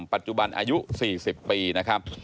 ปัจจุบันอายุ๔๐ปีนะครับ